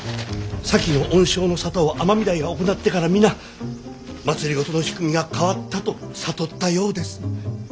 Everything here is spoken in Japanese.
先の恩賞の沙汰を尼御台が行ってから皆政の仕組みが変わったと悟ったようです。